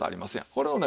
これをね